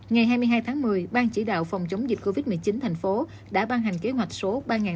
ngày hai mươi hai tháng một mươi ban chỉ đạo phòng chống dịch covid một mươi chín tp hcm đã ban hành kế hoạch số ba nghìn năm trăm hai mươi hai